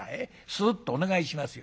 すっとお願いしますよ」。